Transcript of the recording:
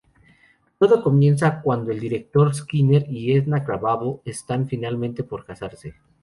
Todo comienza cuando el director Skinner y Edna Krabappel están, finalmente, por casarse.